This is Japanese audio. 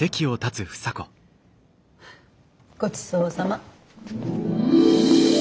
ごちそうさま。